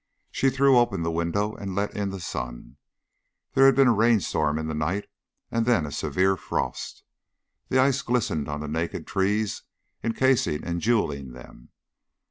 She threw open the window and let in the sun. There had been a rain storm in the night and then a severe frost. The ice glistened on the naked trees, encasing and jewelling them.